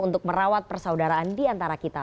untuk merawat persaudaraan di antara kita